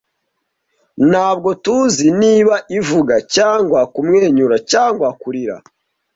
Ntabwo tuzi niba ivuga cyangwa kumwenyura cyangwa kurira.